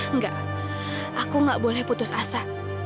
enggak aku nggak boleh putus asa